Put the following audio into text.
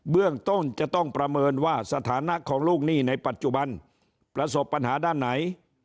เรื่องต้นจะต้องประเมินว่าสถานะของลูกหนี้ในปัจจุบันประสบปัญหาด้านไหน